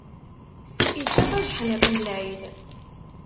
Ičča tajeḥniḍt n lɛid.